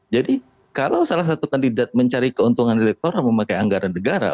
jadi kalau salah satu kandidat mencari keuntungan elektoral memakai anggaran negara